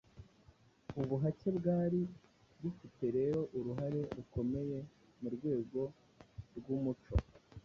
Ubuhake bwari bufite rero uruhare rukomeye mu rwego rw'umuco